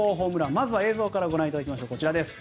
まずは映像からご覧いただきましょう。